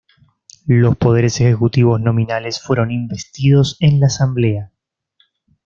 Los Poderes ejecutivos nominales fueron investidos en la Asamblea.